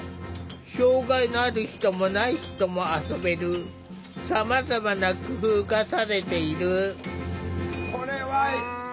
障害のある人もない人も遊べるさまざまな工夫がされている。